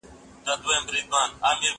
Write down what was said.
زه له سهاره کالي وچوم!.